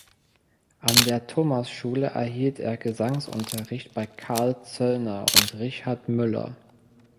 An der Thomasschule erhielt er Gesangsunterricht bei Karl Zöllner und Richard Müller.